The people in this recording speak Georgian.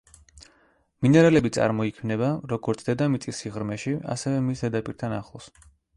მინერალები წარმოიქმნება, როგორც დედამიწის სიღრმეში, ასევე მის ზედაპირთან ახლოს.